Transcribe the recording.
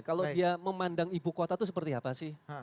kalau dia memandang ibu kota itu seperti apa sih